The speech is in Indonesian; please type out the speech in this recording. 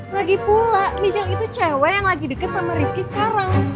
lagipula michelle itu cewe yang lagi deket sama rifki sekarang